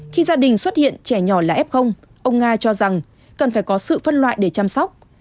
khi gia đình xuất hiện trẻ nhỏ là f ông nga cho rằng cần phải có sự phân loại để chăm sóc